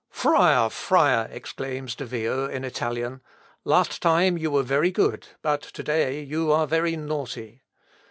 "Friar! friar!" exclaims De Vio in Italian, "last time you were very good, but to day you are very naughty."